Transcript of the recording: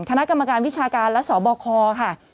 คณะกรรมการวิชาการและสบคค่ะ